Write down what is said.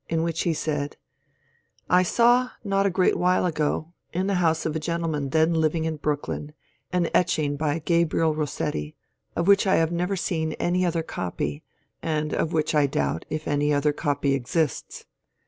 in which he said :—*< I saw, not a great while ago, in the house of a gentleman then living in Brooklyn, an etching hy Gabriel Rossetti, of which I have never seen any other copy, and of which I doubt if any other copy exists.